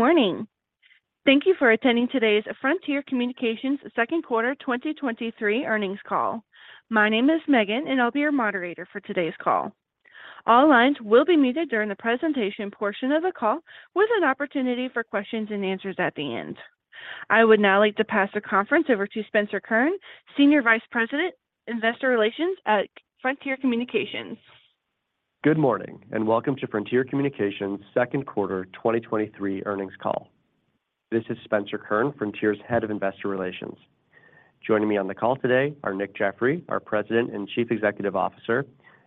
Good morning! Thank you for attending today's Frontier Communications second quarter 2023 earnings call. My name is Megan, and I'll be your moderator for today's call. All lines will be muted during the presentation portion of the call, with an opportunity for questions-and-answers at the end. I would now like to pass the conference over to Spencer Kurn, Senior Vice President, Investor Relations at Frontier Communications. Good morning, and welcome to Frontier Communications second quarter 2023 earnings call. This is Spencer Kurn, Frontier's Head of Investor Relations. Joining me on the call today are Nick Jeffery, our President and Chief Executive Officer,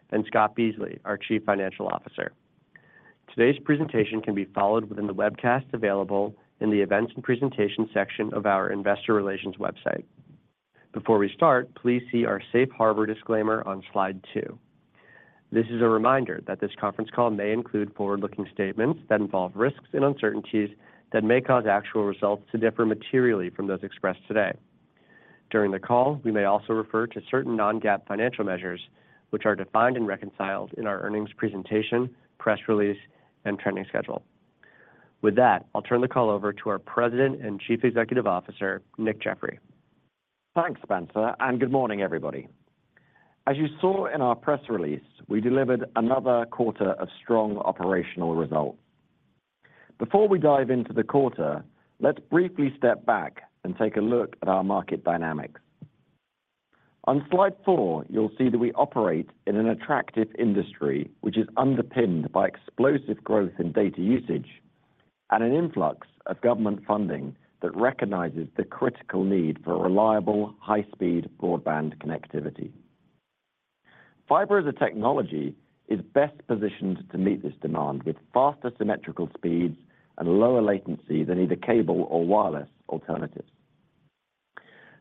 and Scott Beasley, our Chief Financial Officer. Today's presentation can be followed within the webcast available in the Events and Presentation section of our investor relations website. Before we start, please see our safe harbor disclaimer on slide two. This is a reminder that this conference call may include forward-looking statements that involve risks and uncertainties that may cause actual results to differ materially from those expressed today. During the call, we may also refer to certain non-GAAP financial measures, which are defined and reconciled in our earnings presentation, press release, and trending schedule. With that, I'll turn the call over to our President and Chief Executive Officer, Nick Jeffery. Thanks, Spencer. Good morning, everybody. As you saw in our press release, we delivered another quarter of strong operational results. Before we dive into the quarter, let's briefly step back and take a look at our market dynamics. On slide four, you'll see that we operate in an attractive industry, which is underpinned by explosive growth in data usage and an influx of government funding that recognizes the critical need for reliable, high-speed broadband connectivity. fiber as a technology is best positioned to meet this demand, with faster symmetrical speeds and lower latency than either cable or wireless alternatives.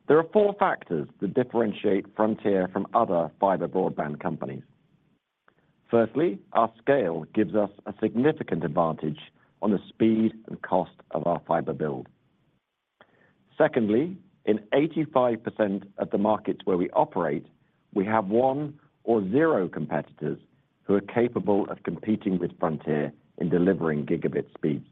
There are four factors that differentiate Frontier from other fiber broadband companies. Firstly, our scale gives us a significant advantage on the speed and cost of our fiber build. Secondly, in 85% of the markets where we operate, we have one or 0 competitors who are capable of competing with Frontier in delivering gigabit speeds.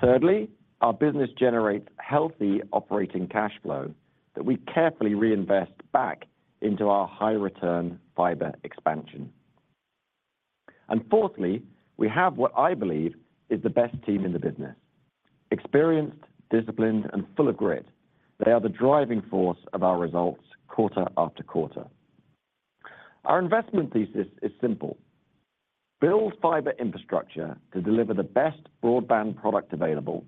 Thirdly, our business generates healthy operating cash flow that we carefully reinvest back into our high-return fiber expansion. Fourthly, we have what I believe is the best team in the business. Experienced, disciplined, and full of grit, they are the driving force of our results quarter after quarter. Our investment thesis is simple: build fiber infrastructure to deliver the best broadband product available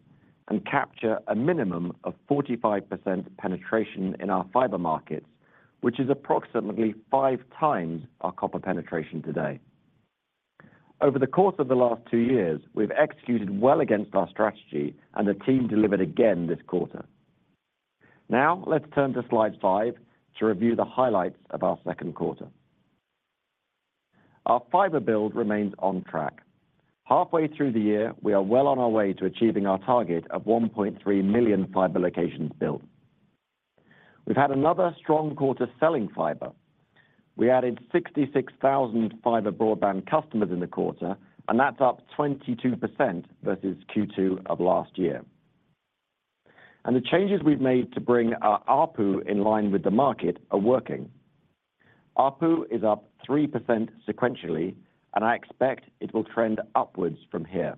and capture a minimum of 45% penetration in our fiber markets, which is approximately five times our copper penetration today. Over the course of the last two years, we've executed well against our strategy, and the team delivered again this quarter. Let's turn to slide five to review the highlights of our second quarter. Our fiber build remains on track. Halfway through the year, we are well on our way to achieving our target of 1.3 million fiber locations built. We've had another strong quarter selling fiber. We added 66,000 fiber broadband customers in the quarter, that's up 22% versus Q2 of last year. The changes we've made to bring our ARPU in line with the market are working. ARPU is up 3% sequentially, and I expect it will trend upwards from here.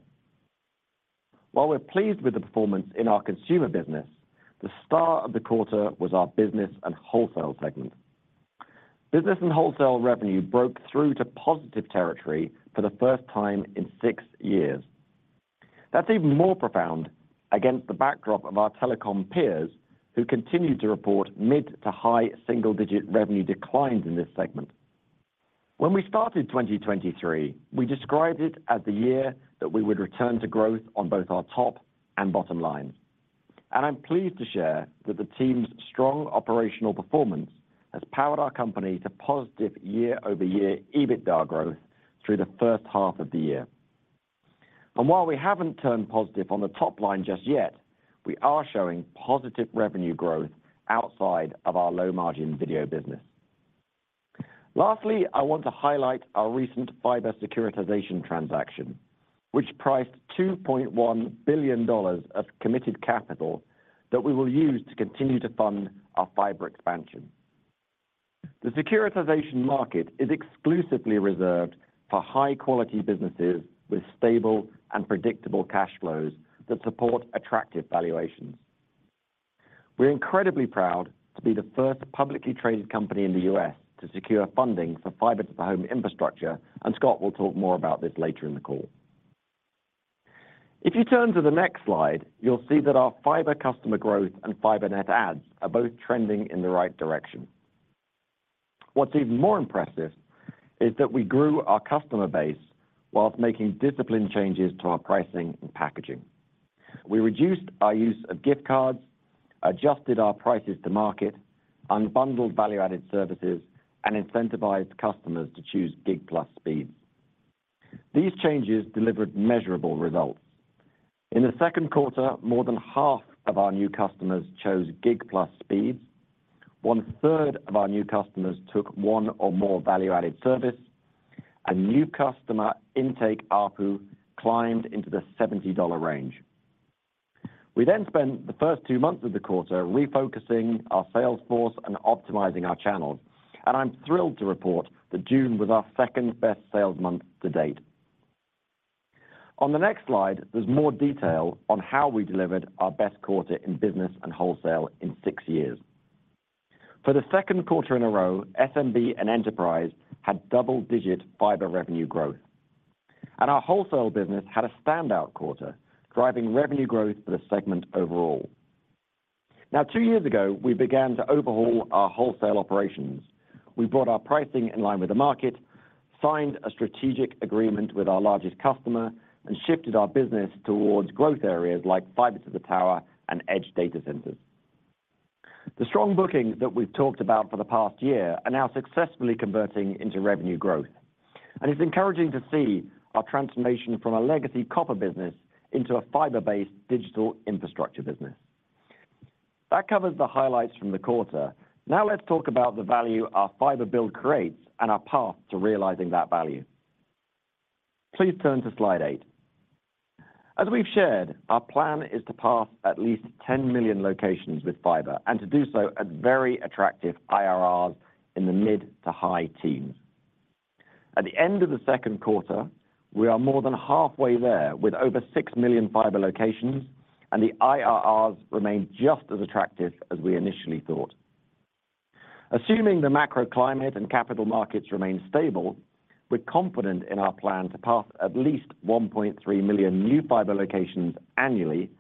While we're pleased with the performance in our consumer business, the star of the quarter was our business and wholesale segment. Business and wholesale revenue broke through to positive territory for the first time in six years. That's even more profound against the backdrop of our telecom peers, who continued to report mid to high single-digit revenue declines in this segment. When we started 2023, we described it as the year that we would return to growth on both our top and bottom line. I'm pleased to share that the team's strong operational performance has powered our company to positive year-over-year EBITDA growth through the first half of the year. While we haven't turned positive on the top line just yet, we are showing positive revenue growth outside of our low-margin video business. Lastly, I want to highlight our recent fiber securitization transaction, which priced $2.1 billion of committed capital that we will use to continue to fund our fiber expansion. The securitization market is exclusively reserved for high-quality businesses with stable and predictable cash flows that support attractive valuations. We're incredibly proud to be the first publicly traded company in the U.S. to secure funding for fiber to the home infrastructure, and Scott will talk more about this later in the call. If you turn to the next slide, you'll see that our fiber customer growth and fiber net adds are both trending in the right direction. What's even more impressive is that we grew our customer base whilst making disciplined changes to our pricing and packaging. We reduced our use of gift cards, adjusted our prices to market, unbundled value-added services, and incentivized customers to choose Gig+ speeds. These changes delivered measurable results. In the second quarter, more than half of our new customers chose Gig+ speeds. One-third of our new customers took one or more value-added service, and new customer intake ARPU climbed into the $70 range. We spent the first two months of the quarter refocusing our sales force and optimizing our channels, and I'm thrilled to report that June was our second-best sales month to date. On the next slide, there's more detail on how we delivered our best quarter in business and wholesale in six years. For the second quarter in a row, SMB and Enterprise had double-digit fiber revenue growth, and our wholesale business had a standout quarter, driving revenue growth for the segment overall. Two years ago, we began to overhaul our wholesale operations. We brought our pricing in line with the market, signed a strategic agreement with our largest customer, and shifted our business towards growth areas like fiber to the tower and edge data centers. The strong bookings that we've talked about for the past year are now successfully converting into revenue growth, and it's encouraging to see our transformation from a legacy copper business into a fiber-based digital infrastructure business. That covers the highlights from the quarter. Now let's talk about the value our fiber build creates and our path to realizing that value. Please turn to slide eight. As we've shared, our plan is to pass at least 10 million locations with fiber and to do so at very attractive IRRs in the mid to high teens. At the end of the second quarter, we are more than halfway there, with over six million fiber locations, and the IRRs remain just as attractive as we initially thought. Assuming the macro climate and capital markets remain stable, we're confident in our plan to pass at least 1.3 million new fiber locations annually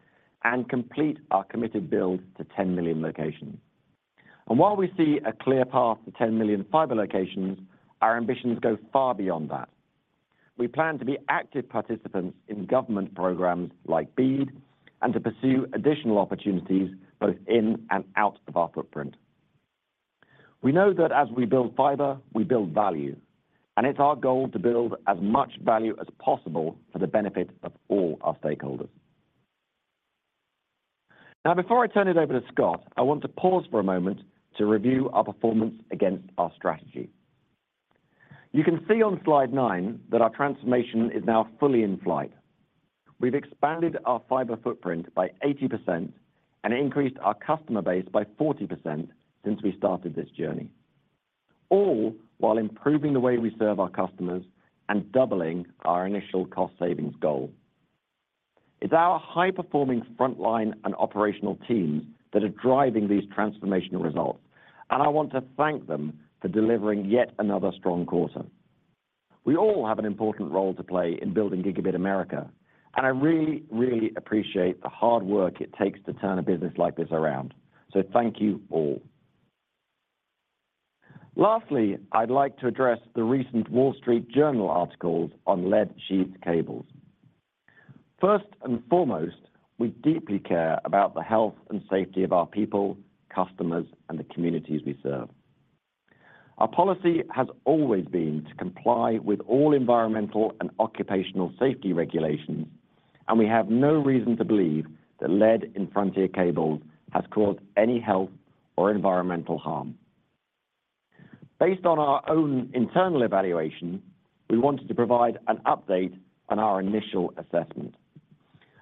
and complete our committed build to 10 million locations. While we see a clear path to 10 million fiber locations, our ambitions go far beyond that. We plan to be active participants in government programs like BEAD, and to pursue additional opportunities both in and out of our footprint. We know that as we build fiber, we build value, and it's our goal to build as much value as possible for the benefit of all our stakeholders. Now, before I turn it over to Scott, I want to pause for a moment to review our performance against our strategy. You can see on slide nine that our transformation is now fully in flight. We've expanded our fiber footprint by 80% and increased our customer base by 40% since we started this journey, all while improving the way we serve our customers and doubling our initial cost savings goal. It's our high-performing frontline and operational teams that are driving these transformational results, and I want to thank them for delivering yet another strong quarter. We all have an important role to play in building Gigabit America, and I really, really appreciate the hard work it takes to turn a business like this around. Thank you all. Lastly, I'd like to address the recent Wall Street Journal articles on lead sheathed cables. First and foremost, we deeply care about the health and safety of our people, customers, and the communities we serve. Our policy has always been to comply with all environmental and occupational safety regulations. We have no reason to believe that lead in Frontier cables has caused any health or environmental harm. Based on our own internal evaluation, we wanted to provide an update on our initial assessment.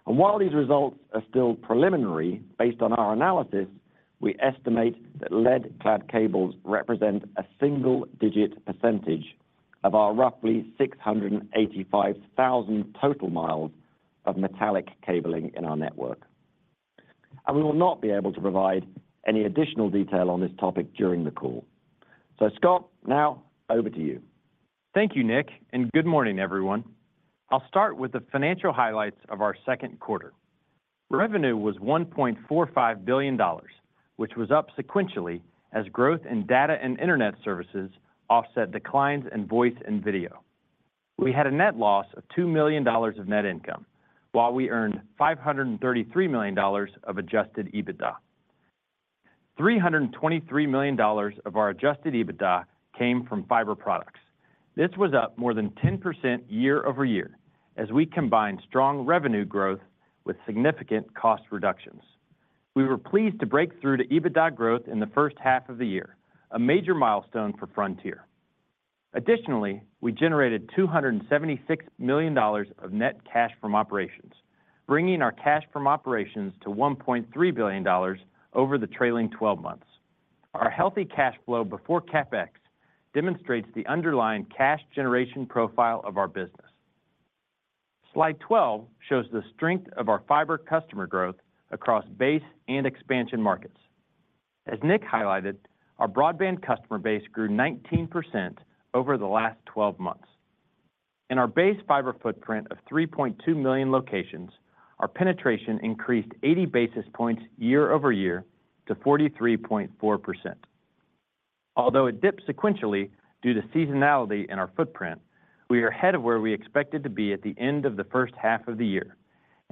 While these results are still preliminary, based on our analysis, we estimate that lead-clad cables represent a single-digit % of our roughly 685,000 total miles of metallic cabling in our network. We will not be able to provide any additional detail on this topic during the call. Scott, now over to you. Thank you, Nick. Good morning, everyone. I'll start with the financial highlights of our second quarter. Revenue was $1.45 billion, which was up sequentially as growth in data and internet services offset declines in voice and video. We had a net loss of $2 million of net income, while we earned $533 million of adjusted EBITDA. $323 million of our adjusted EBITDA came from fiber products. This was up more than 10% year-over-year, as we combined strong revenue growth with significant cost reductions. We were pleased to break through to EBITDA growth in the first half of the year, a major milestone for Frontier. We generated $276 million of net cash from operations, bringing our cash from operations to $1.3 billion over the trailing twelve months. Our healthy cash flow before CapEx demonstrates the underlying cash generation profile of our business. Slide 12 shows the strength of our fiber customer growth across base and expansion markets. As Nick highlighted, our broadband customer base grew 19% over the last 12 months. In our base fiber footprint of 3.2 million locations, our penetration increased 80 basis points year-over-year to 43.4%. Although it dipped sequentially due to seasonality in our footprint, we are ahead of where we expected to be at the end of the first half of the year,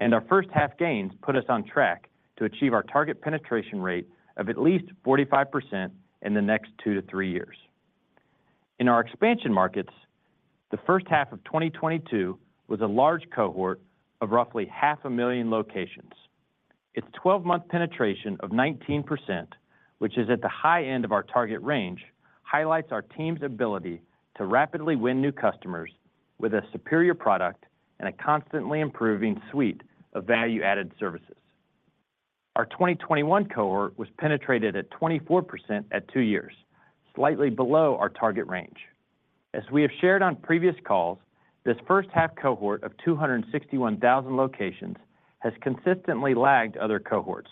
Our first-half gains put us on track to achieve our target penetration rate of at least 45% in the next two to three years. In our expansion markets, the first half of 2022 was a large cohort of roughly half a million locations. Its 12-month penetration of 19%, which is at the high end of our target range, highlights our team's ability to rapidly win new customers with a superior product and a constantly improving suite of value-added services. Our 2021 cohort was penetrated at 24% at two years, slightly below our target range. As we have shared on previous calls, this first half cohort of 261,000 locations has consistently lagged other cohorts,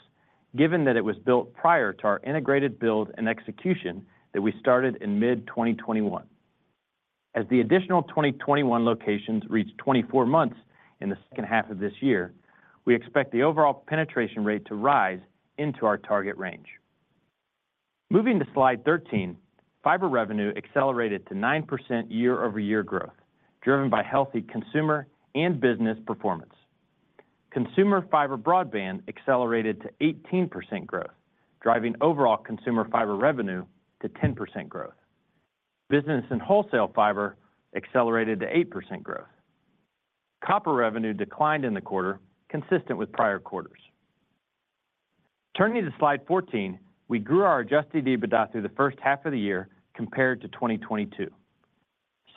given that it was built prior to our integrated build and execution that we started in mid-2021. As the additional 2021 locations reach 24 months in the second half of this year, we expect the overall penetration rate to rise into our target range. Moving to slide 13, fiber revenue accelerated to 9% year-over-year growth, driven by healthy consumer and business performance. Consumer fiber broadband accelerated to 18% growth, driving overall consumer fiber revenue to 10% growth. Business and wholesale fiber accelerated to 8% growth. Copper revenue declined in the quarter, consistent with prior quarters. Turning to slide 14, we grew our adjusted EBITDA through the first half of the year compared to 2022.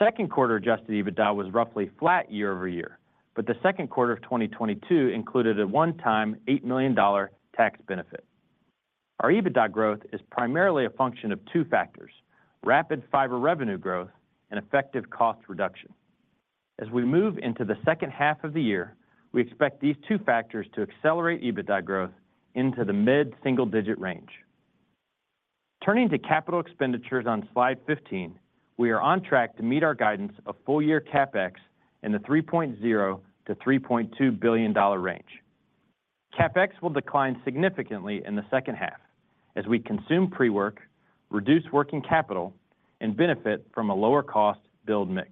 Second quarter adjusted EBITDA was roughly flat year-over-year, the second quarter of 2022 included a one-time $8 million tax benefit. Our EBITDA growth is primarily a function of two factors: rapid fiber revenue growth and effective cost reduction. As we move into the second half of the year, we expect these two factors to accelerate EBITDA growth into the mid-single-digit range. Turning to capital expenditures on slide 15, we are on track to meet our guidance of full-year CapEx in the $3.0 billion-$3.2 billion range. CapEx will decline significantly in the second half as we consume pre-work, reduce working capital, and benefit from a lower cost build mix.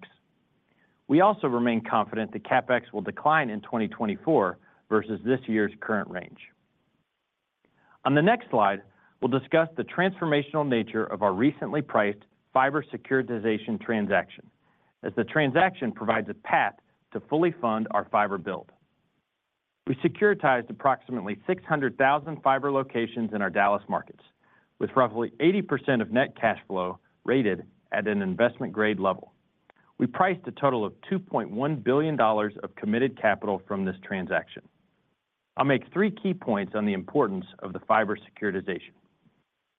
We also remain confident that CapEx will decline in 2024 versus this year's current range. On the next slide, we'll discuss the transformational nature of our recently priced fiber securitization transaction, as the transaction provides a path to fully fund our fiber build. We securitized approximately 600,000 fiber locations in our Dallas markets, with roughly 80% of net cash flow rated at an investment-grade level. We priced a total of $2.1 billion of committed capital from this transaction. I'll make three key points on the importance of the fiber securitization.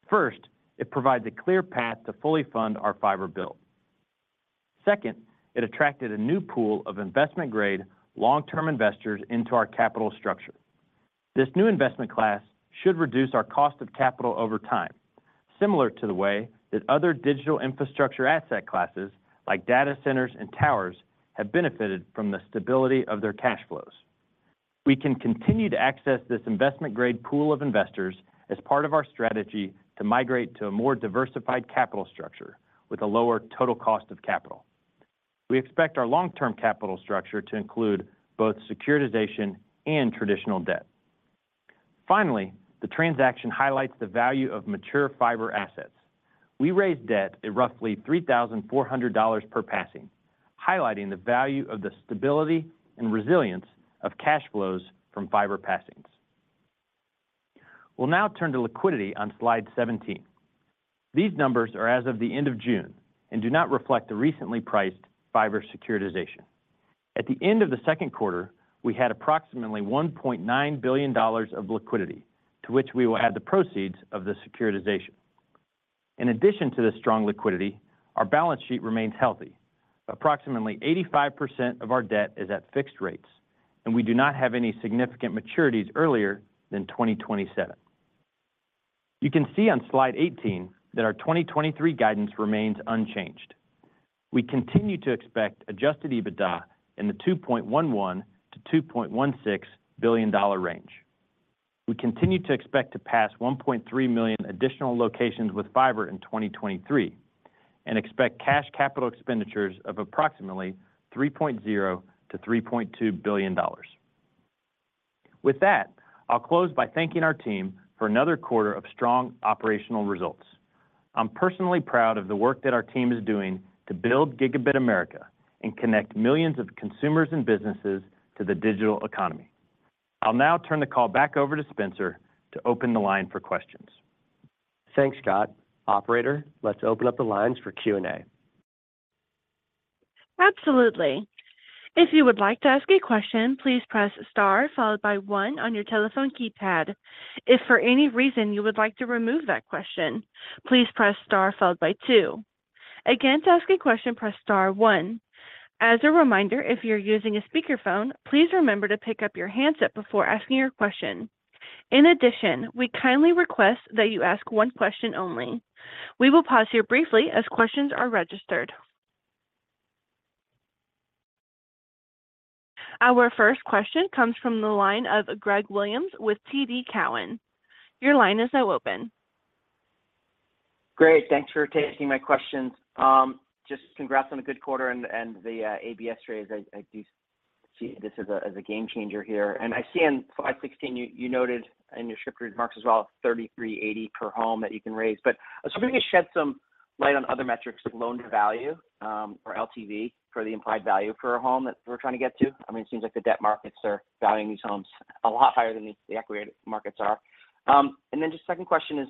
First, it provides a clear path to fully fund our fiber build. Second, it attracted a new pool of investment-grade, long-term investors into our capital structure. This new investment class should reduce our cost of capital over time, similar to the way that other digital infrastructure asset classes, like data centers and towers, have benefited from the stability of their cash flows. We can continue to access this investment-grade pool of investors as part of our strategy to migrate to a more diversified capital structure with a lower total cost of capital. We expect our long-term capital structure to include both securitization and traditional debt. Finally, the transaction highlights the value of mature fiber assets. We raised debt at roughly $3,400 per passing, highlighting the value of the stability and resilience of cash flows from fiber passings. We'll now turn to liquidity on slide 17. These numbers are as of the end of June and do not reflect the recently priced fiber securitization. At the end of the second quarter, we had approximately $1.9 billion of liquidity, to which we will add the proceeds of the securitization. In addition to this strong liquidity, our balance sheet remains healthy. Approximately 85% of our debt is at fixed rates, and we do not have any significant maturities earlier than 2027. You can see on slide 18 that our 2023 guidance remains unchanged. We continue to expect adjusted EBITDA in the $2.11 billion-$2.16 billion range. We continue to expect to pass 1.3 million additional locations with fiber in 2023 and expect cash capital expenditures of approximately $3.0 billion-$3.2 billion. With that, I'll close by thanking our team for another quarter of strong operational results. I'm personally proud of the work that our team is doing to build Gigabit America and connect millions of consumers and businesses to the digital economy. I'll now turn the call back over to Spencer to open the line for questions. Thanks, Scott. Operator, let's open up the lines for Q&A. Absolutely. If you would like to ask a question, please press star followed by one on your telephone keypad. If for any reason you would like to remove that question, please press star followed by two. Again, to ask a question, press star one. As a reminder, if you're using a speakerphone, please remember to pick up your handset before asking your question. In addition, we kindly request that you ask one question only. We will pause here briefly as questions are registered. Our first question comes from the line of Greg Williams with TD Cowen. Your line is now open. Great, thanks for taking my questions. Just congrats on a good quarter and, and the ABS raise. I, I do see this as a, as a game changer here. I see on slide 16, you, you noted in your script remarks as well, $3,380 per home that you can raise. Maybe shed some light on other metrics like loan-to-value, or LTV for the implied value for a home that we're trying to get to. I mean, it seems like the debt markets are valuing these homes a lot higher than the, the equity markets are. Just second question is,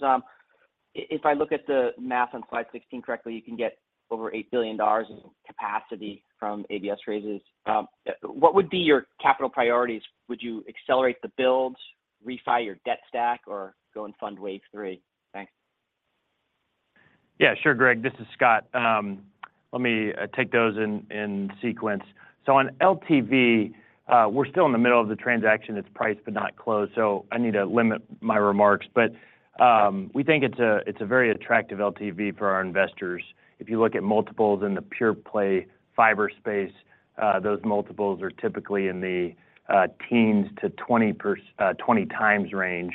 if I look at the math on slide 16 correctly, you can get over $8 billion in capacity from ABS raises. What would be your capital priorities? Would you accelerate the builds, refi your debt stack, or go and fund wave three? Thanks. Yeah, sure, Greg, this is Scott. Let me take those in, in sequence. On LTV, we're still in the middle of the transaction. It's priced, but not closed, so I need to limit my remarks, but we think it's a, it's a very attractive LTV for our investors. If you look at multiples in the pure play fiber space, those multiples are typically in the teens to 20 times range.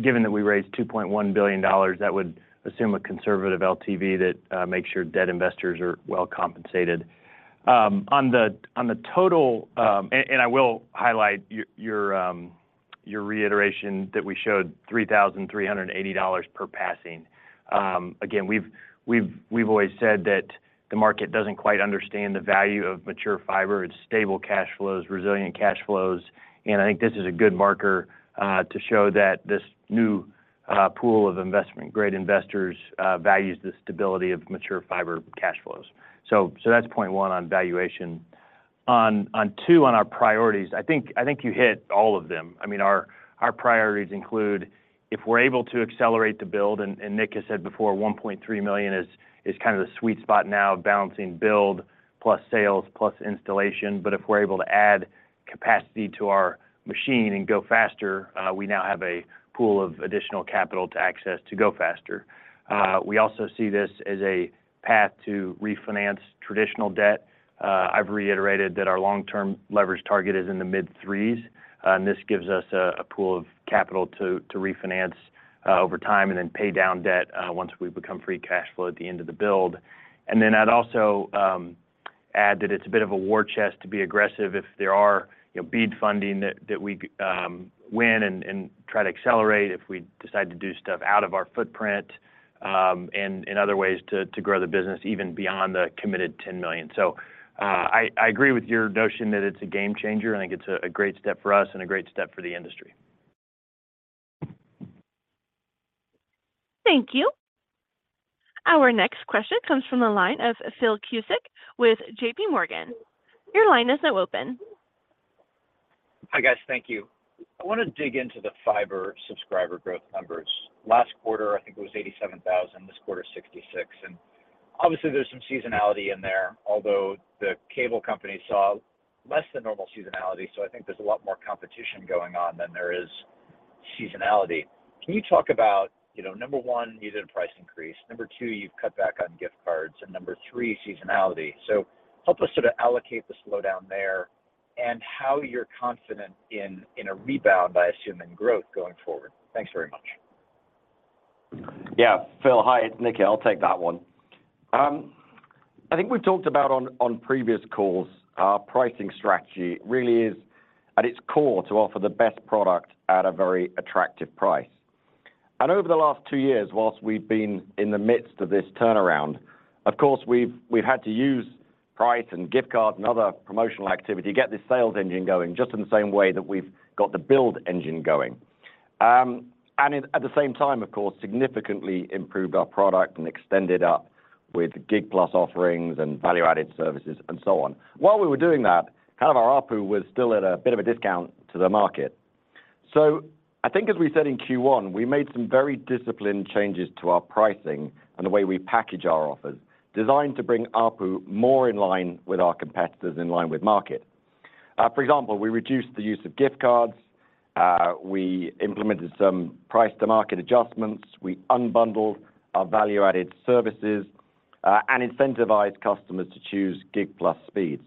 Given that we raised $2.1 billion, that would assume a conservative LTV that makes sure debt investors are well compensated. On the, on the total, I will highlight your reiteration that we showed $3,380 per passing. Again, we've, we've, we've always said that the market doesn't quite understand the value of mature fiber. It's stable cash flows, resilient cash flows. I think this is a good marker to show that this new pool of investment, great investors, values the stability of mature fiber cash flows. That's point one on valuation. On two, on our priorities, I think, I think you hit all of them. I mean, our, our priorities include if we're able to accelerate the build. Nick has said before, 1.3 million is, is kind of the sweet spot now of balancing build plus sales, plus installation. If we're able to add capacity to our machine and go faster, we now have a pool of additional capital to access to go faster. We also see this as a path to refinance traditional debt. I've reiterated that our long-term leverage target is in the mid three's, and this gives us a pool of capital to refinance over time and then pay down debt once we become free cash flow at the end of the build. Then I'd also add that it's a bit of a war chest to be aggressive if there are, you know, BEAD funding that we win and try to accelerate if we decide to do stuff out of our footprint, and in other ways to grow the business even beyond the committed 10 million. I agree with your notion that it's a game changer. I think it's a great step for us and a great step for the industry. Thank you. Our next question comes from the line of Phil Cusick with J.P. Morgan. Your line is now open. Hi, guys. Thank you. I want to dig into the fiber subscriber growth numbers. Last quarter, I think it was 87,000, this quarter, 66. Obviously, there's some seasonality in there, although the cable company saw less than normal seasonality, I think there's a lot more competition going on than there is seasonality. Can you talk about, you know, number one, you did a price increase, number two, you've cut back on gift cards, and number three, seasonality? Help us sort of allocate the slowdown there and how you're confident in, in a rebound by assuming growth going forward. Thanks very much. Yeah. Phil, hi, it's Nick. I'll take that one. I think we've talked about on, on previous calls, our pricing strategy really is, at its core, to offer the best product at a very attractive price. Over the last two years, whilst we've been in the midst of this turnaround, of course, we've, we've had to use price and gift card and other promotional activity to get this sales engine going, just in the same way that we've got the build engine going. At the same time, of course, significantly improved our product and extended up with Gig+ offerings and value-added services and so on. While we were doing that, kind of our ARPU was still at a bit of a discount to the market. I think as we said in Q1, we made some very disciplined changes to our pricing and the way we package our offers, designed to bring ARPU more in line with our competitors, in line with market. For example, we reduced the use of gift cards, we implemented some price-to-market adjustments, we unbundled our value-added services, and incentivized customers to choose Gig+ speeds.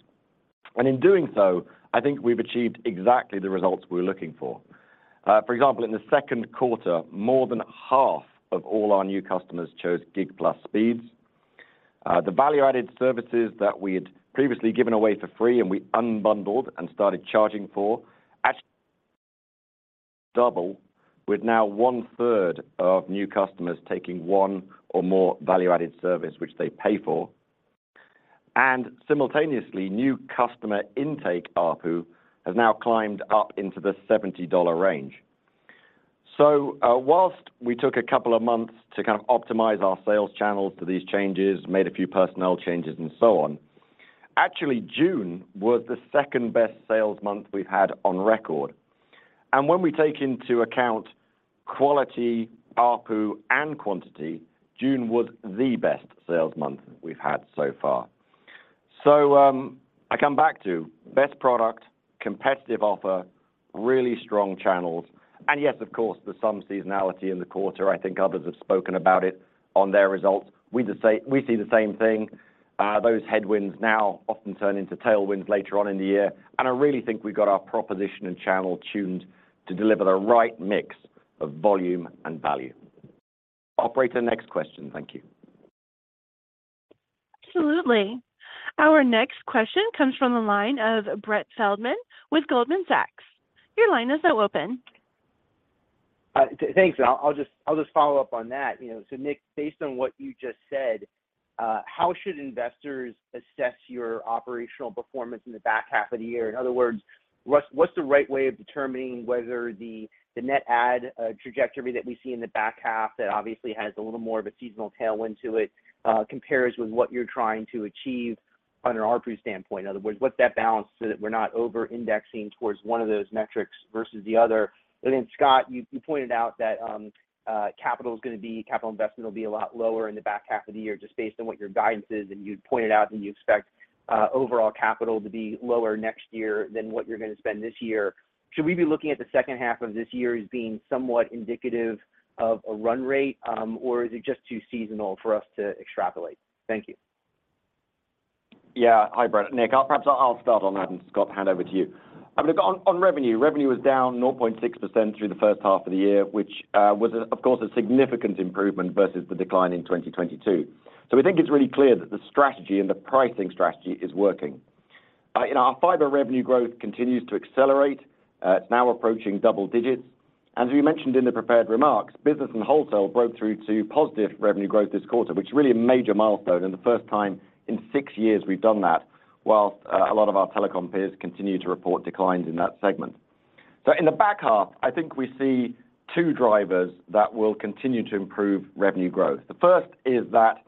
In doing so, I think we've achieved exactly the results we're looking for. For example, in the second quarter, more than 50% of all our new customers chose Gig+ speeds. The value-added services that we had previously given away for free, and we unbundled and started charging for, actually, double, with now 1/3 of new customers taking one or more value-added service, which they pay for. Simultaneously, new customer intake ARPU has now climbed up into the $70 range. Whilst we took a couple of months to kind of optimize our sales channels to these changes, made a few personnel changes and so on, actually, June was the second best sales month we've had on record. When we take into account quality, ARPU, and quantity, June was the best sales month we've had so far. I come back to best product, competitive offer, really strong channels, and yes, of course, there's some seasonality in the quarter. I think others have spoken about it on their results. We see the same thing. Those headwinds now often turn into tailwinds later on in the year, and I really think we've got our proposition and channel tuned to deliver the right mix of volume and value. Operate the next question. Thank you. Absolutely. Our next question comes from the line of Brett Feldman with Goldman Sachs. Your line is now open. thanks. I'll, I'll just, I'll just follow up on that. You know, so Nick, based on what you just said, how should investors assess your operational performance in the back half of the year? In other words, what's, what's the right way of determining whether the, the net add trajectory that we see in the back half, that obviously has a little more of a seasonal tailwind to it, compares with what you're trying to achieve under an ARPU standpoint? In other words, what's that balance so that we're not over-indexing towards one of those metrics versus the other? Then, Scott, you, you pointed out that capital is gonna be-- capital investment will be a lot lower in the back half of the year, just based on what your guidance is. You'd pointed out that you expect overall capital to be lower next year than what you're gonna spend this year. Should we be looking at the second half of this year as being somewhat indicative of a run rate, or is it just too seasonal for us to extrapolate? Thank you. Yeah. Hi, Brett. Nick, I'll perhaps I'll start on that, and Scott, hand over to you. I mean, look, on, on revenue, revenue was down 0.6% through the first half of the year, which was, of course, a significant improvement versus the decline in 2022. You know, our fiber revenue growth continues to accelerate. It's now approaching double digits. As we mentioned in the prepared remarks, business and wholesale broke through to positive revenue growth this quarter, which is really a major milestone, and the first time in six years we've done that, whilst a lot of our telecom peers continue to report declines in that segment. In the back half, I think we see two drivers that will continue to improve revenue growth. The first is that,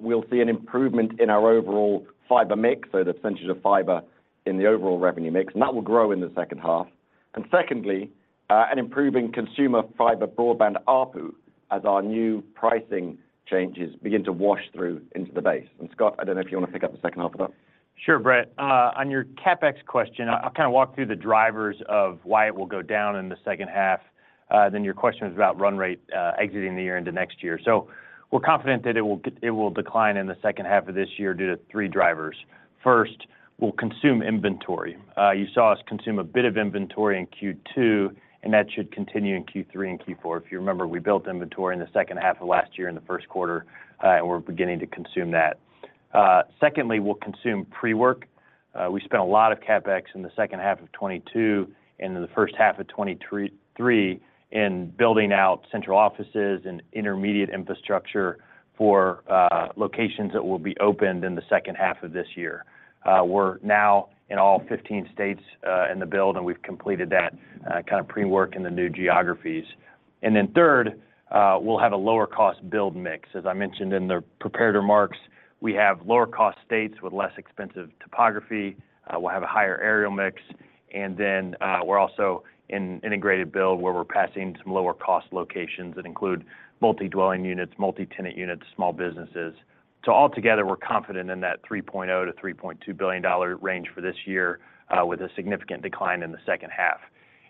we'll see an improvement in our overall fiber mix, so the percentage of fiber in the overall revenue mix, and that will grow in the second half. Secondly, an improving consumer fiber broadband ARPU, as our new pricing changes begin to wash through into the base. Scott, I don't know if you want to pick up the second half of that. Sure, Brett. On your CapEx question, I'll kind of walk through the drivers of why it will go down in the second half, then your question is about run rate, exiting the year into next year. We're confident that it will decline in the second half of this year due to three drivers. First, we'll consume inventory. You saw us consume a bit of inventory in Q2, and that should continue in Q3 and Q4. If you remember, we built inventory in the second half of last year and the first quarter, and we're beginning to consume that. Secondly, we'll consume pre-work. We spent a lot of CapEx in the second half of 2022 and in the first half of 2023 in building out central offices and intermediate infrastructure for locations that will be opened in the second half of this year. We're now in all 15 states in the build, and we've completed that pre-work in the new geographies. Third, we'll have a lower cost build mix. As I mentioned in the prepared remarks, we have lower cost states with less expensive topography. We'll have a higher aerial mix, and then we're also in integrated build, where we're passing some lower cost locations that include multi-dwelling units, multi-tenant units, small businesses. Altogether, we're confident in that $3.0 billion-$3.2 billion range for this year, with a significant decline in the second half.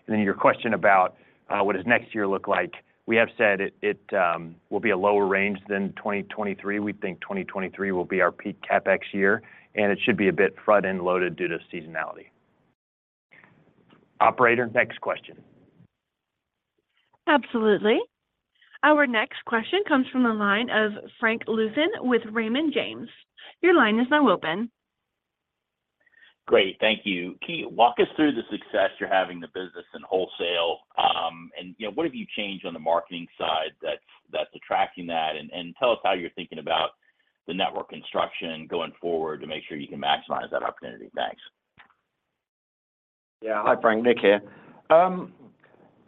Then your question about what does next year look like? We have said it, it will be a lower range than 2023. We think 2023 will be our peak CapEx year, and it should be a bit front-end loaded due to seasonality. Operator, next question. Absolutely. Our next question comes from the line of Frank Louthan with Raymond James. Your line is now open. Great. Thank you. Can you walk us through the success you're having in the business and wholesale? You know, what have you changed on the marketing side that's, that's attracting that? And tell us how you're thinking about the network construction going forward to make sure you can maximize that opportunity. Thanks. Yeah. Hi, Frank. Nick here.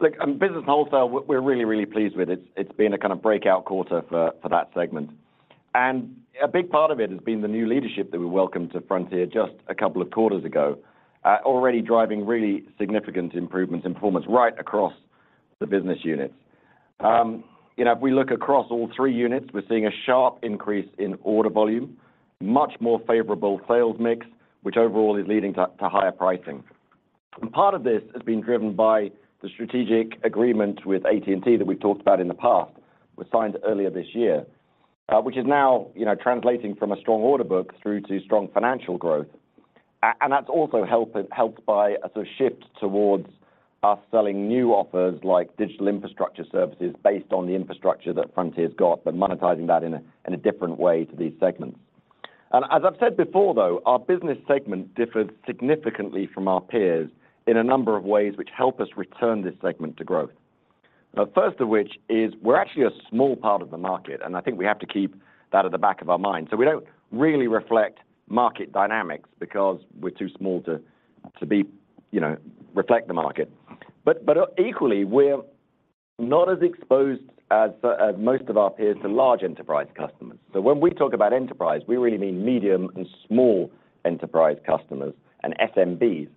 Look, on business and wholesale, we're, we're really, really pleased with. It's, it's been a kind of breakout quarter for, for that segment. A big part of it has been the new leadership that we welcomed to Frontier just a couple of quarters ago, already driving really significant improvements in performance right across the business units. You know, if we look across all three units, we're seeing a sharp increase in order volume, much more favorable sales mix, which overall is leading to, to higher pricing. Part of this has been driven by the strategic agreement with AT&T that we've talked about in the past, was signed earlier this year, which is now, you know, translating from a strong order book through to strong financial growth. That's also helped, helped by a sort of shift towards us selling new offers, like digital infrastructure services, based on the infrastructure that Frontier's got, but monetizing that in a, in a different way to these segments. As I've said before, though, our business segment differs significantly from our peers in a number of ways, which help us return this segment to growth. The first of which is we're actually a small part of the market, and I think we have to keep that at the back of our mind. We don't really reflect market dynamics because we're too small to, you know, reflect the market. Equally, we're not as exposed as most of our peers to large enterprise customers. When we talk about enterprise, we really mean medium and small enterprise customers and SMBs.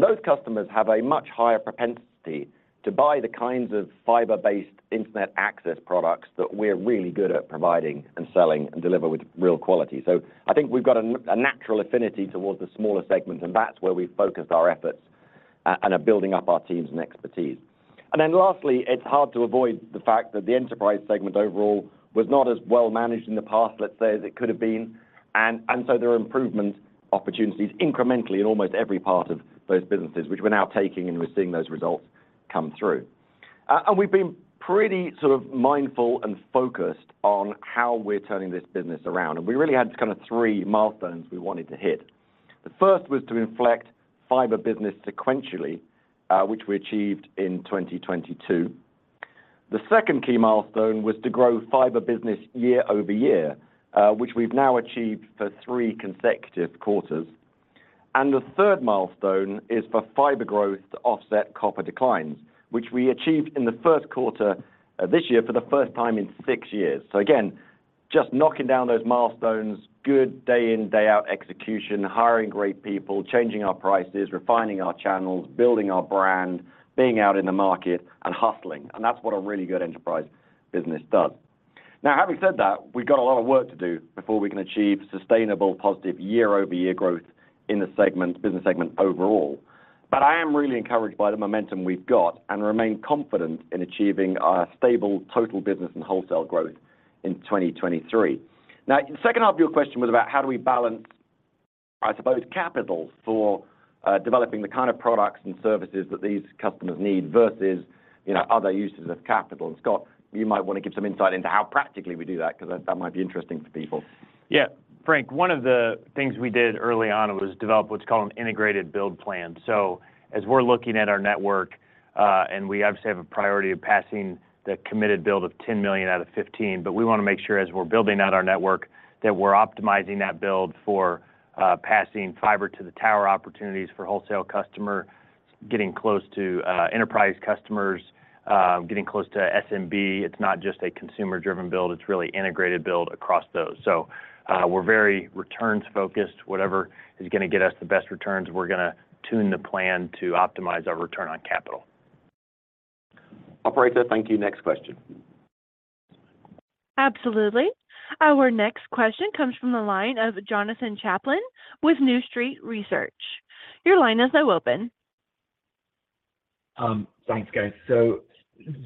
Those customers have a much higher propensity to buy the kinds of fiber-based internet access products that we're really good at providing and selling and deliver with real quality. I think we've got a natural affinity towards the smaller segment, and that's where we've focused our efforts and are building up our teams and expertise. Lastly, it's hard to avoid the fact that the enterprise segment overall was not as well managed in the past, let's say, as it could have been. There are improvement opportunities incrementally in almost every part of those businesses, which we're now taking, and we're seeing those results come through. We've been pretty sort of mindful and focused on how we're turning this business around, and we really had kind of three milestones we wanted to hit. The first was to inflect fiber business sequentially, which we achieved in 2022. The second key milestone was to grow fiber business year-over-year, which we've now achieved for three consecutive quarters. The third milestone is for fiber growth to offset copper declines, which we achieved in the first quarter of this year for the first time in six years. Again, just knocking down those milestones, good day in, day out execution, hiring great people, changing our prices, refining our channels, building our brand, being out in the market, and hustling. That's what a really good enterprise business does. Now, having said that, we've got a lot of work to do before we can achieve sustainable, positive year-over-year growth in the segment, business segment overall. I am really encouraged by the momentum we've got and remain confident in achieving our stable total business and wholesale growth in 2023. The second half of your question was about how do we balance, I suppose, capital for developing the kind of products and services that these customers need versus, you know, other uses of capital. Scott, you might want to give some insight into how practically we do that, 'cause that, that might be interesting to people. Yeah. Frank, one of the things we did early on was develop what's called an integrated build plan. As we're looking at our network, and we obviously have a priority of passing the committed build of 10 million out of 15, but we want to make sure as we're building out our network, that we're optimizing that build for, passing fiber to the tower, opportunities for wholesale customer, getting close to, enterprise customers, getting close to SMB. It's not just a consumer-driven build, it's really integrated build across those. We're very returns focused. Whatever is gonna get us the best returns, we're gonna tune the plan to optimize our return on capital. Operator, thank you. Next question. Absolutely. Our next question comes from the line of Jonathan Chaplin with New Street Research. Your line is now open. Thanks, guys.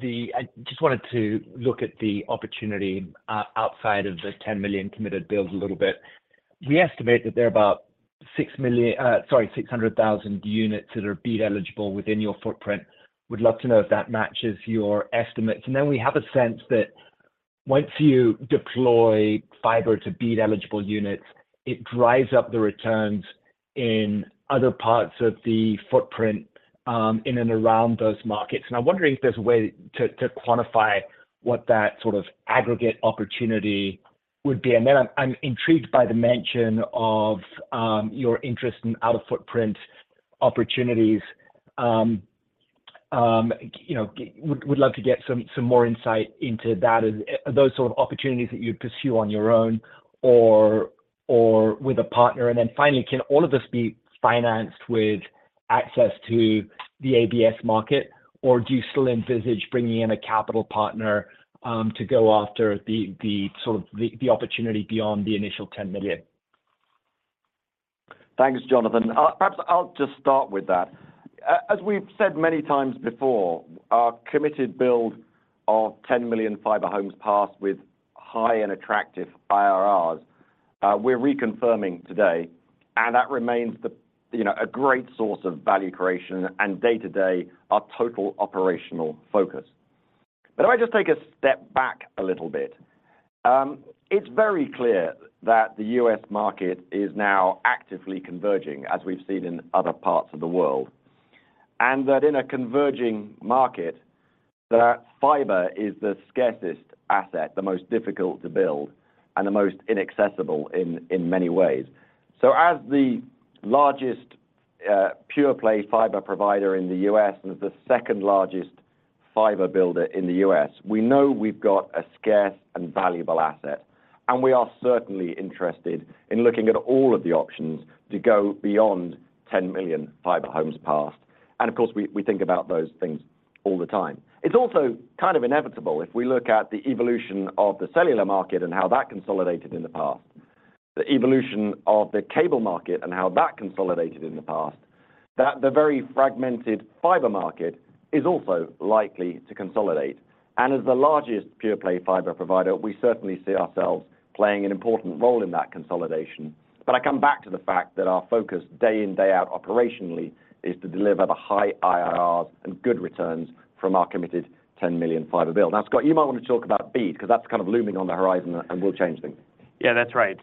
The-- I just wanted to look at the opportunity outside of the 10 million committed build a little bit. We estimate that there are about six million, sorry, 600,000 units that are BEAD eligible within your footprint. Would love to know if that matches your estimates. We have a sense that once you deploy fiber to BEAD-eligible units, it drives up the returns in other parts of the footprint in and around those markets. I'm wondering if there's a way to, to quantify what that sort of aggregate opportunity would be. I'm, I'm intrigued by the mention of your interest in out-of-footprint opportunities. You know, would, would love to get some, some more insight into that. Are, are those sort of opportunities that you'd pursue on your own or, or with a partner? Then finally, can all of this be financed with access to the ABS market, or do you still envisage bringing in a capital partner, to go after the, the sort of, the, the opportunity beyond the initial 10 million? Thanks, Jonathan. Perhaps I'll just start with that. As we've said many times before, our committed build of 10 million fiber homes passed with high and attractive IRRs, we're reconfirming today, and that remains the, you know, a great source of value creation and day-to-day, our total operational focus. If I just take a step back a little bit, it's very clear that the U.S. market is now actively converging, as we've seen in other parts of the world, and that in a converging market, that fiber is the scarcest asset, the most difficult to build, and the most inaccessible in, in many ways. As the largest pure play fiber provider in the U.S. and the second-largest fiber builder in the U.S., we know we've got a scarce and valuable asset, and we are certainly interested in looking at all of the options to go beyond 10 million fiber homes passed. Of course, we, we think about those things all the time. It's also kind of inevitable. If we look at the evolution of the cellular market and how that consolidated in the past, the evolution of the cable market and how that consolidated in the past, that the very fragmented fiber market is also likely to consolidate. As the largest pure play fiber provider, we certainly see ourselves playing an important role in that consolidation. I come back to the fact that our focus, day in, day out, operationally, is to deliver the high IRRs and good returns from our committed 10 million fiber build. Now, Scott, you might want to talk about BEAD, because that's kind of looming on the horizon and, and will change things. Yeah, that's right.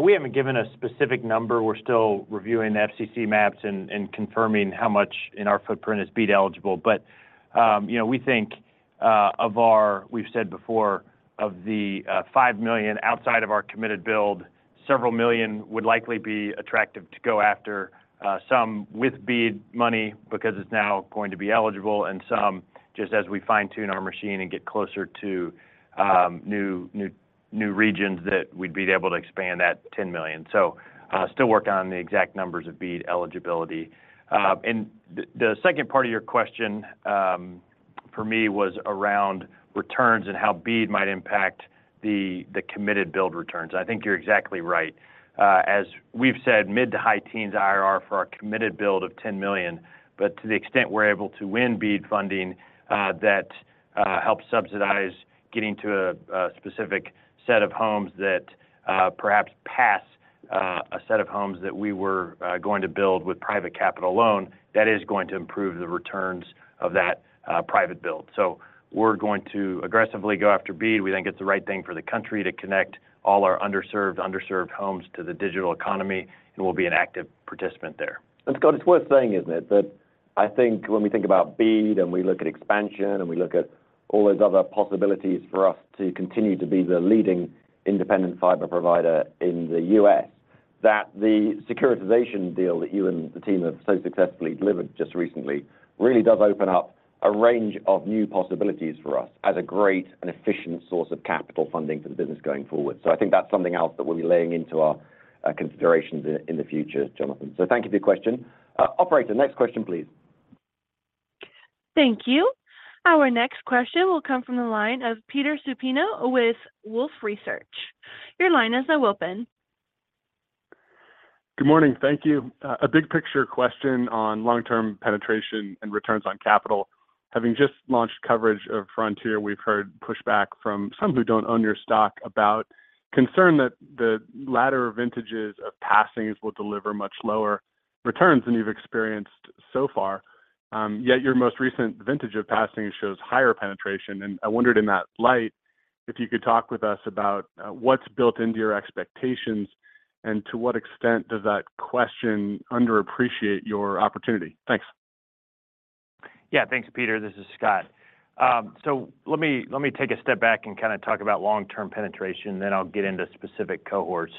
We haven't given a specific number. We're still reviewing the FCC maps and, and confirming how much in our footprint is BEAD eligible. you know, we think of our. We've said before, of the five million outside of our committed build, several million would likely be attractive to go after, some with BEAD money because it's now going to be eligible, and some just as we fine-tune our machine and get closer to new, new, new regions that we'd be able to expand that 10 million. still working on the exact numbers of BEAD eligibility. And the, the second part of your question, for me, was around returns and how BEAD might impact the, the committed build returns. I think you're exactly right. As we've said, mid to high teens IRR for our committed build of $10 million. To the extent we're able to win BEAD funding, that helps subsidize getting to a, a specific set of homes that perhaps a set of homes that we were going to build with private capital alone, that is going to improve the returns of that private build. We're going to aggressively go after BEAD. We think it's the right thing for the country to connect all our underserved, underserved homes to the digital economy, and we'll be an active participant there. Scott, it's worth saying, isn't it, that I think when we think about BEAD, and we look at expansion, and we look at all those other possibilities for us to continue to be the leading independent fiber provider in the U.S., that the securitization deal that you and the team have so successfully delivered just recently, really does open up a range of new possibilities for us as a great and efficient source of capital funding for the business going forward. I think that's something else that we'll be laying into our considerations in, in the future, Jonathan. Thank you for your question. Operator, next question, please. Thank you. Our next question will come from the line of Peter Supino with Wolfe Research. Your line is now open. Good morning. Thank you. A big-picture question on long-term penetration and returns on capital. Having just launched coverage of Frontier, we've heard pushback from some who don't own your stock about concern that the latter vintages of passings will deliver much lower returns than you've experienced so far. Yet your most recent vintage of passing shows higher penetration, and I wondered in that light, if you could talk with us about, what's built into your expectations, and to what extent does that question underappreciate your opportunity? Thanks. Yeah, thanks, Peter. This is Scott. Let me, let me take a step back and kind of talk about long-term penetration, then I'll get into specific cohorts.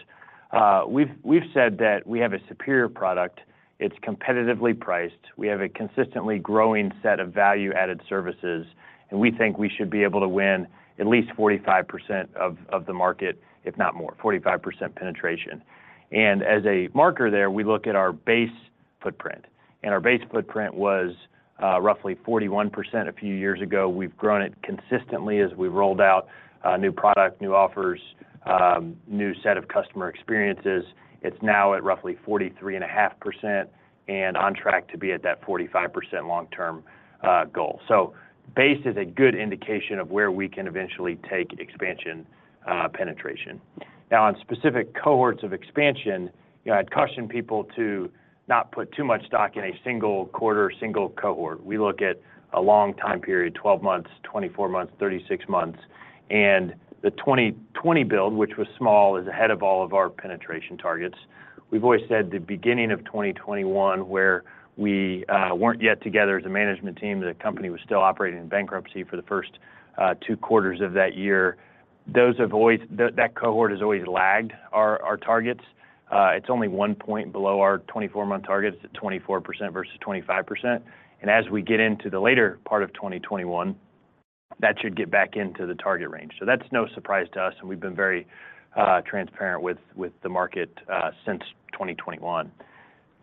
We've, we've said that we have a superior product. It's competitively priced. We have a consistently growing set of value-added services, and we think we should be able to win at least 45% of, of the market, if not more, 45% penetration. As a marker there, we look at our base footprint, and our base footprint was roughly 41% a few years ago. We've grown it consistently as we've rolled out new product, new offers, new set of customer experiences. It's now at roughly 43.5% and on track to be at that 45% long-term goal. Base is a good indication of where we can eventually take expansion, penetration. Now, on specific cohorts of expansion, you know, I'd caution people to not put too much stock in a single quarter, single cohort. We look at a long time period, 12 months, 24 months, 36 months, and the 2020 build, which was small, is ahead of all of our penetration targets. We've always said the beginning of 2021, where we weren't yet together as a management team, the company was still operating in bankruptcy for the first two quarters of that year. That cohort has always lagged our, our targets. It's only one point below our 24-month target. It's at 24% versus 25%, and as we get into the later part of 2021, that should get back into the target range. That's no surprise to us, and we've been very transparent with, with the market since 2021.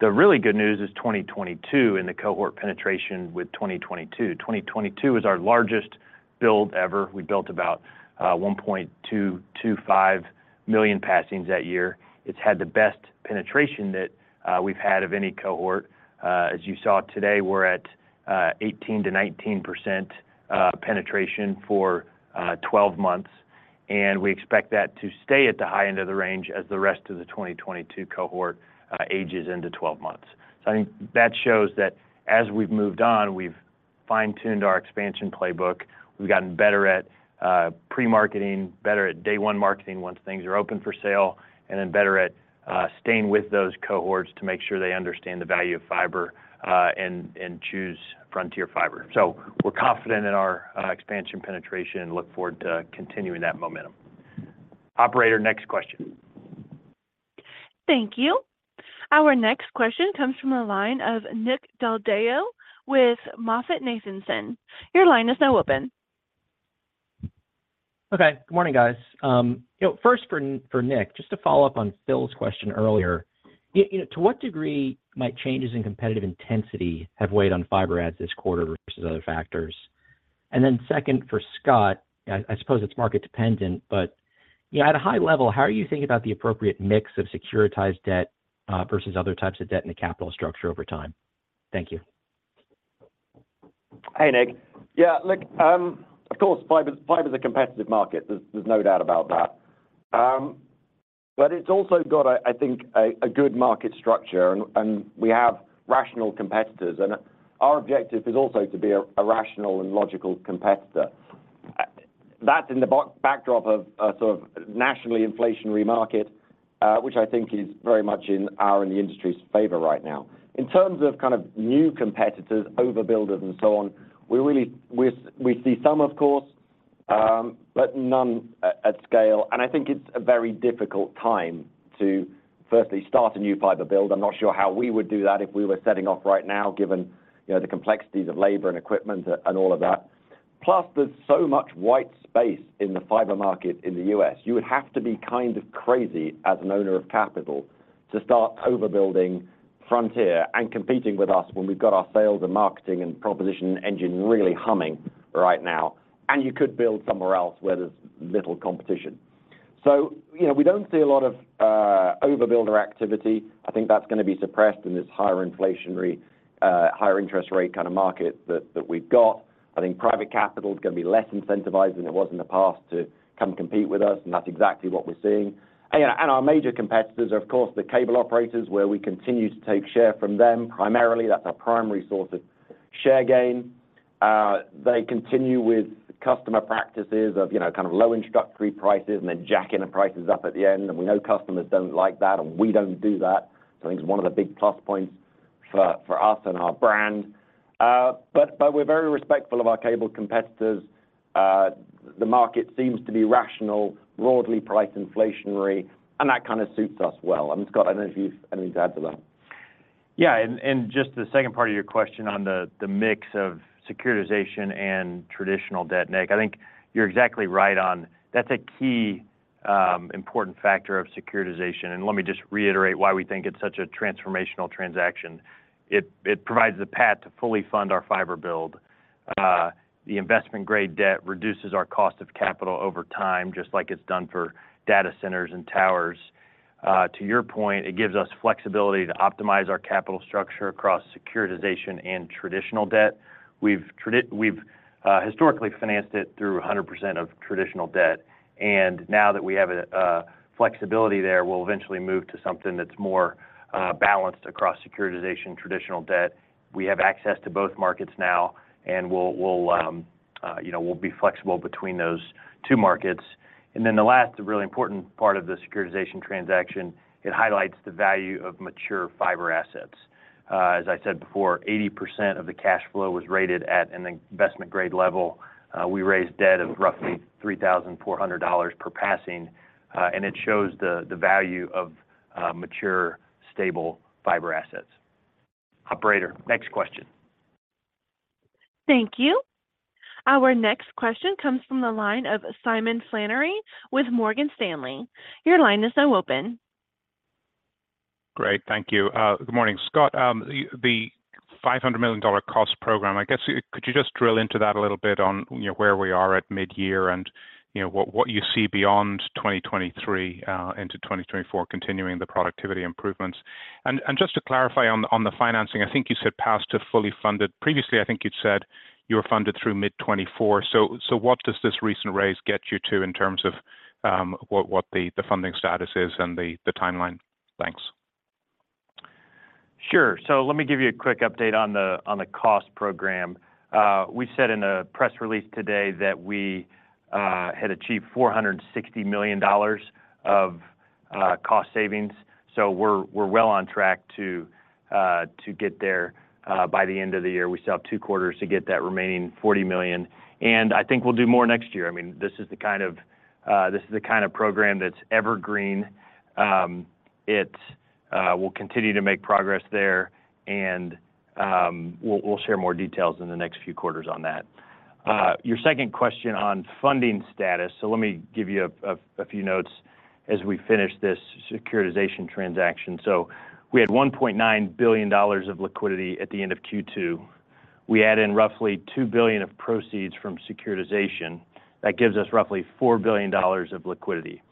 The really good news is 2022 and the cohort penetration with 2022. 2022 is our largest build ever. We built about 1.225 million passings that year. It's had the best penetration that we've had of any cohort. As you saw today, we're at 18%-19% penetration for 12 months, and we expect that to stay at the high end of the range as the rest of the 2022 cohort ages into 12 months. I think that shows that as we've moved on, we've fine-tuned our expansion playbook. We've gotten better at pre-marketing, better at day one marketing once things are open for sale, then better at staying with those cohorts to make sure they understand the value of fiber and choose Frontier Fiber. We're confident in our expansion penetration and look forward to continuing that momentum. Operator, next question. Thank you. Our next question comes from the line of Nick Del Deo with MoffettNathanson. Your line is now open. Okay. Good morning, guys. You know, first, for Nick, just to follow up on Phil's question earlier, you know, to what degree might changes in competitive intensity have weighed on fiber adds this quarter versus other factors? And then second, for Scott, I suppose it's market dependent, but, you know, at a high level, how are you thinking about the appropriate mix of securitized debt versus other types of debt in the capital structure over time? Thank you. Hey, Nick. Yeah, look, of course, fiber, fiber is a competitive market. There's, there's no doubt about that. It's also got, I, I think, a, a good market structure, and, and we have rational competitors, and our objective is also to be a, a rational and logical competitor. That's in the back-backdrop of a sort of nationally inflationary market, which I think is very much in our and the industry's favor right now. In terms of kind of new competitors, overbuilders and so on, we really-- we, we see some, of course, but none a-at scale. I think it's a very difficult time to firstly start a new fiber build. I'm not sure how we would do that if we were setting off right now, given, you know, the complexities of labor and equipment a- and all of that. There's so much white space in the fiber market in the U.S. You would have to be kind of crazy as an owner of capital to start overbuilding Frontier and competing with us when we've got our sales and marketing and proposition engine really humming right now, and you could build somewhere else where there's little competition. You know, we don't see a lot of overbuilder activity. I think that's going to be suppressed in this higher inflationary, higher interest rate kind of market that, that we've got. I think private capital is going to be less incentivized than it was in the past to come compete with us, and that's exactly what we're seeing. You know, and our major competitors are, of course, the cable operators, where we continue to take share from them. Primarily, that's our primary source of share gain. They continue with customer practices of, you know, kind of low introductory prices and then jacking the prices up at the end, and we know customers don't like that, and we don't do that. I think it's one of the big plus points for, for us and our brand. We're very respectful of our cable competitors. The market seems to be rational, broadly price inflationary, and that kind of suits us well. Scott, I don't know if you've anything to add to that. Just the second part of your question on the mix of securitization and traditional debt, Nick. I think you're exactly right. That's a key important factor of securitization, let me just reiterate why we think it's such a transformational transaction. It provides a path to fully fund our fiber build. The investment-grade debt reduces our cost of capital over time, just like it's done for data centers and towers. To your point, it gives us flexibility to optimize our capital structure across securitization and traditional debt. We've historically financed it through 100% of traditional debt, now that we have a flexibility there, we'll eventually move to something that's more balanced across securitization, traditional debt. We have access to both markets now, we'll, we'll, you know, we'll be flexible between those two markets. The last really important part of the securitization transaction, it highlights the value of mature fiber assets. As I said before, 80% of the cash flow was rated at an investment-grade level. We raised debt of roughly $3,400 per passing, and it shows the value of mature, stable fiber assets. Operator, next question. Thank you. Our next question comes from the line of Simon Flannery with Morgan Stanley. Your line is now open. Great, thank you. Good morning, Scott. The $500 million cost program, I guess, could you just drill into that a little bit on, you know, where we are at midyear and, you know, what, what you see beyond 2023 into 2024, continuing the productivity improvements? Just to clarify on the, on the financing, I think you said path to fully funded. Previously, I think you'd said you were funded through mid-2024. What does this recent raise get you to in terms of what, what the, the funding status is and the, the timeline? Thanks. Sure. Let me give you a quick update on the, on the cost program. We said in a press release today that we had achieved $460 million of cost savings, so we're, we're well on track to get there by the end of the year. We still have two quarters to get that remaining $40 million, and I think we'll do more next year. I mean, this is the kind of, this is the kind of program that's evergreen. It's we'll continue to make progress there, and we'll, we'll share more details in the next few quarters on that. Your second question on funding status. Let me give you a, a, a few notes as we finish this securitization transaction. We had $1.9 billion of liquidity at the end of Q2. We add in roughly $2 billion of proceeds from securitization. That gives us roughly $4 billion of liquidity.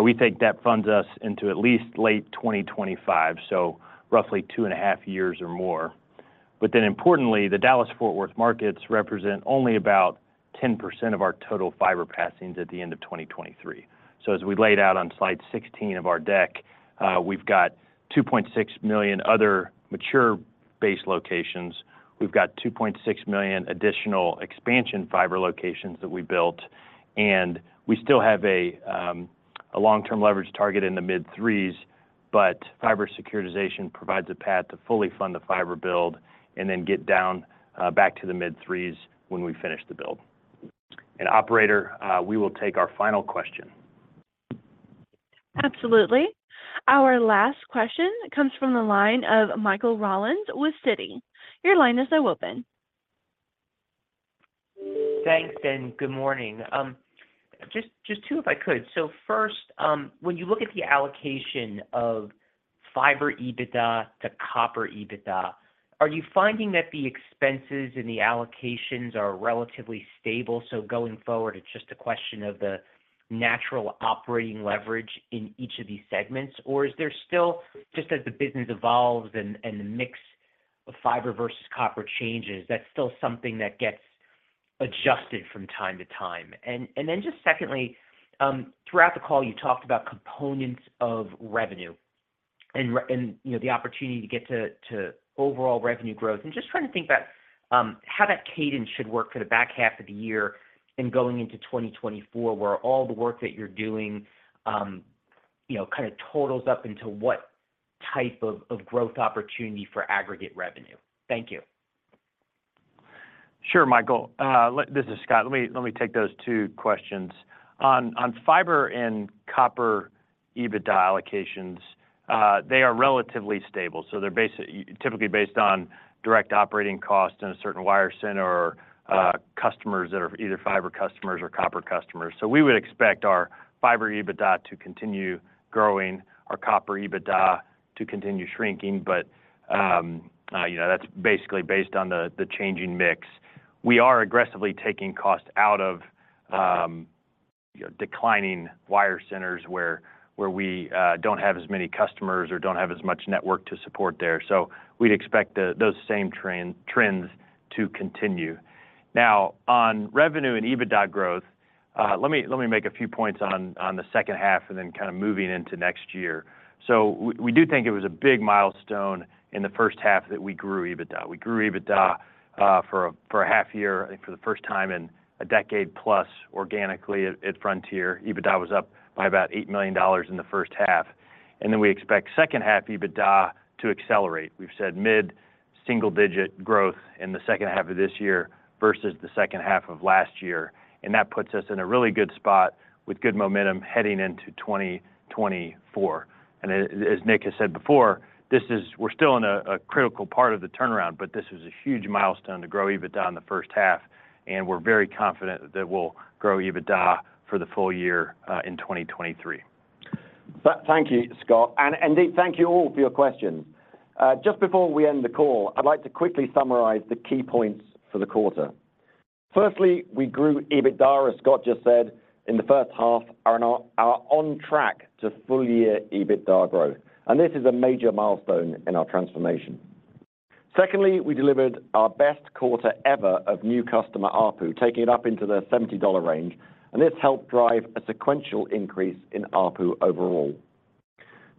We think that funds us into at least late 2025, so roughly 2.5 years or more. Then importantly, the Dallas-Fort Worth markets represent only about 10% of our total fiber passings at the end of 2023. As we laid out on slide 16 of our deck, we've got 2.6 million other mature base locations. We've got 2.6 million additional expansion fiber locations that we built, and we still have a long-term leverage target in the mid-3s, but fiber securitization provides a path to fully fund the fiber build and then get down back to the mid-3s when we finish the build. Operator, we will take our final question. Absolutely. Our last question comes from the line of Michael Rollins with Citi. Your line is now open. Thanks, good morning. Just, just two, if I could. First, when you look at the allocation of Fiber EBITDA to Copper EBITDA, are you finding that the expenses and the allocations are relatively stable, going forward, it's just a question of the natural operating leverage in each of these segments? Is there still, just as the business evolves and, and the mix of Fiber versus Copper changes, that's still something that gets adjusted from time to time. Then just secondly, throughout the call, you talked about components of revenue and and, you know, the opportunity to get to, to overall revenue growth, and just trying to think about, how that cadence should work for the back half of the year and going into 2024, where all the work that you're doing, you know, kind of totals up into what type of, of growth opportunity for aggregate revenue? Thank you. Sure, Michael. This is Scott. Let me, let me take those two questions. On fiber and copper EBITDA allocations, they are relatively stable, so they're typically based on direct operating costs in a certain wire center or customers that are either fiber customers or copper customers. We would expect our fiber EBITDA to continue growing, our copper EBITDA to continue shrinking, but, you know, that's basically based on the changing mix. We are aggressively taking cost out of declining wire centers where, where we don't have as many customers or don't have as much network to support there. We'd expect those same trends to continue. On revenue and EBITDA growth, let me, let me make a few points on the second half and then kind of moving into next year. We, we do think it was a big milestone in the first half that we grew EBITDA. We grew EBITDA for a half year, I think for the first time in a decade plus, organically at Frontier. EBITDA was up by about $8 million in the first half. We expect second half EBITDA to accelerate. We've said mid-single-digit growth in the second half of this year versus the second half of last year, that puts us in a really good spot with good momentum heading into 2024. As Nick has said before, we're still in a critical part of the turnaround, but this is a huge milestone to grow EBITDA in the first half. We're very confident that we'll grow EBITDA for the full year in 2023. Thank you, Scott, indeed, thank you all for your questions. Just before we end the call, I'd like to quickly summarize the key points for the quarter. Firstly, we grew EBITDA, as Scott just said, in the first half, are on track to full-year EBITDA growth, this is a major milestone in our transformation. Secondly, we delivered our best quarter ever of new customer ARPU, taking it up into the $70 range, this helped drive a sequential increase in ARPU overall.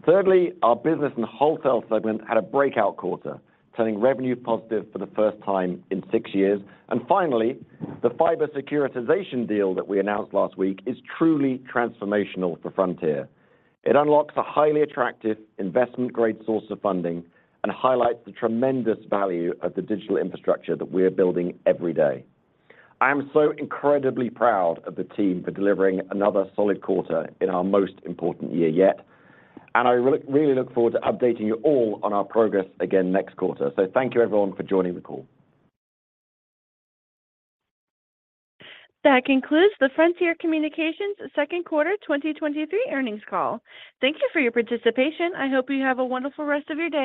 Thirdly, our business and wholesale segment had a breakout quarter, turning revenue positive for the first time in six years. Finally, the fiber securitization deal that we announced last week is truly transformational for Frontier. It unlocks a highly attractive investment-grade source of funding and highlights the tremendous value of the digital infrastructure that we are building every day. I am so incredibly proud of the team for delivering another solid quarter in our most important year yet, and I really look forward to updating you all on our progress again next quarter. Thank you everyone for joining the call. That concludes the Frontier Communications second quarter 2023 earnings call. Thank you for your participation. I hope you have a wonderful rest of your day.